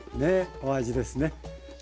お味ですね。